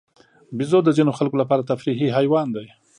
بیزو د ځینو خلکو لپاره تفریحي حیوان دی.